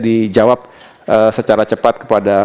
dijawab secara cepat kepada